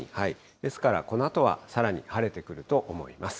ですから、このあとはさらに晴れてくると思います。